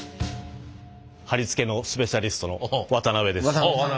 貼り付けのスペシャリストの渡辺です。